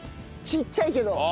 ちっちゃいけど。